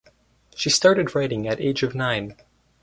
She started writing at age of nine.